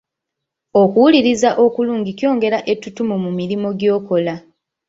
Okuwuliriza okulungi kyongera ettutumu mu mirimu gy'okola.